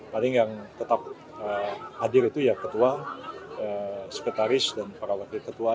paling yang tetap hadir itu ya ketua sekretaris dan para wakil ketua